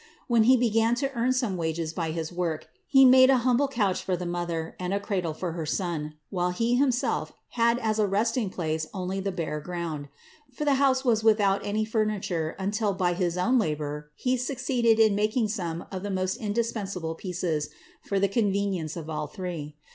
When he began to earn some wages by his work, he made an humble couch for the Mother and a cradle for her Son; while he himself had as a resting place only the bare ground ; for the house was without any furniture until by his own labor he succeeded in making some of the most indispensable pieces for the convenience of all three.